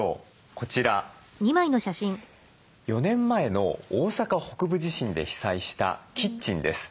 こちら４年前の大阪北部地震で被災したキッチンです。